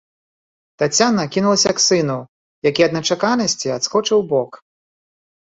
Таццяна кінулася к сыну, які ад нечаканасці адскочыў убок.